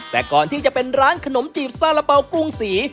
แต่ก่อนที่จะเป็นร้านขนมจีบซาระเป๋ากุ้งสี